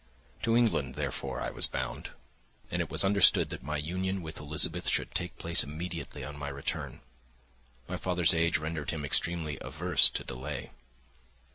To England, therefore, I was bound, and it was understood that my union with Elizabeth should take place immediately on my return. My father's age rendered him extremely averse to delay.